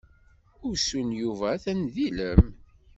Usu n Yuba atan d ilem.